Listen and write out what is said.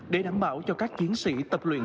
để đảm bảo cho các chiến sĩ tập luyện